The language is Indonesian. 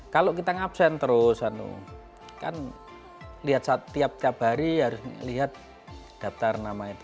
kalau kita ngabsen terus kan lihat tiap tiap hari harus lihat daftar namanya